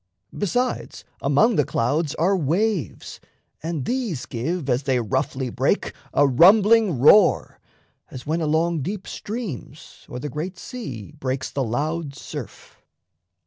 Besides, among the clouds are waves, and these Give, as they roughly break, a rumbling roar; As when along deep streams or the great sea Breaks the loud surf.